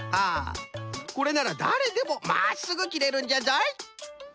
これならだれでもまっすぐ切れるんじゃぞい。